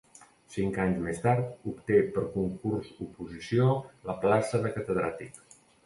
Cinc anys més tard obté per concurs oposició la plaça de catedràtic.